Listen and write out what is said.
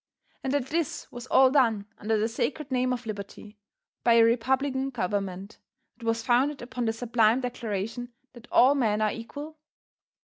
And that this was all done under the sacred name of Liberty, by a republican government that was founded upon the sublime declaration that all men are equal?